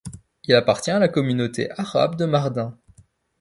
Il appartient à la communauté arabe de Mardin.